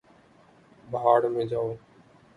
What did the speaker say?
بھاڑ میں جاؤ